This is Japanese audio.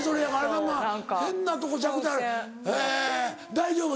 大丈夫？